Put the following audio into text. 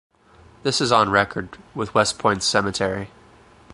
This is on record with West Point's cemetery.